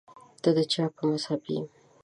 ته د چا په مذهب یې